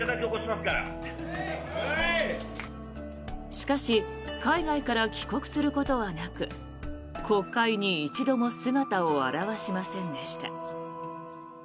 しかし海外から帰国することはなく国会に一度も姿を現しませんでした。